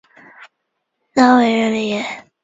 拉维热里耶。